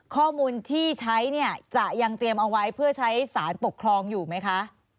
ข้อมูลที่ใช้เนี่ยจะยังเตรียมเอาไว้เพื่อใช้สารปกครองอยู่ไหมคะ